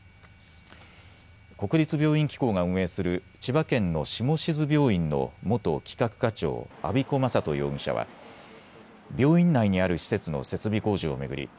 国立病院機構が運営する千葉県の下志津病院の元企画課長安彦昌人容疑者は病院内にある施設の設備工事を巡り